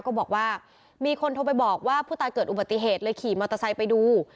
ก็บอกว่ามีคนโทรไปบอกว่าผู้ตายเกิดอุบัติเหตุเลยขี่มอเตอร์ไซค์ไปดู